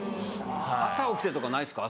朝起きてとかないですか？